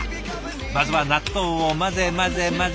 まずは納豆を混ぜ混ぜ混ぜ混ぜ。